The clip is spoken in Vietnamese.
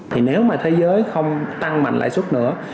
thì nếu mà thế giới không tăng mạnh lãi suất nữa